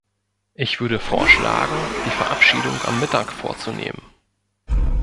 Ich würde vorschlagen, die Verabschiedung am Mittag vorzunehmen.